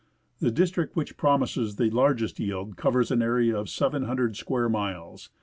The district which promises the largest yield covers an area of 700 square miles.